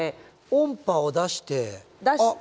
音波を出してあっ